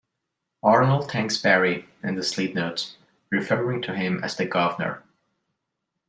Arnold thanks Barry in the sleeve notes, referring to him as "the Guvnor".